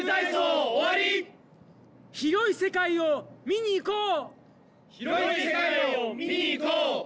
広い世界を見にいこう！